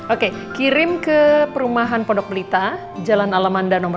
oke kirim ke perumahan pondok belita jalan alamanda nomor dua